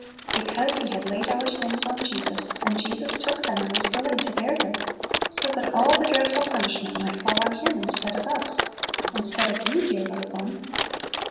Because He had laid our sins on Jesus, and Jesus took them, and was willing to bear them, so that all the dreadful punishment might fall on Him instead of us. Instead of you, dear little one